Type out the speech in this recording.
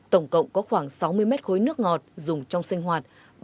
tổng cộng có khoảng sáu mươi mét khối nước ngọt dùng trong sinh hoạt